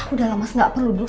udah lah mas gak perlu dulu